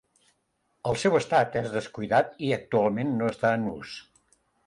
El seu estat és descuidat i actualment no està en ús.